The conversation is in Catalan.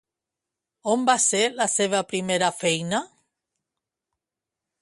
On va ser la seva primera feina?